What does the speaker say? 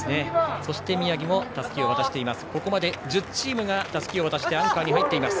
そして、宮城もたすきを渡しています。